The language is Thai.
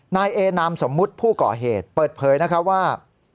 นายเอนามสมมุติผู้ก่อเหตุเปิดเผยนะคะว่า